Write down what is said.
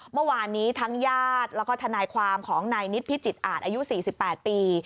เมื่อวานนี้ทั้งญาติแล้วก็ทนายความของนายนิดพิจิตอาจอายุ๔๘ปี